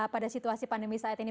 pada situasi pandemi saat ini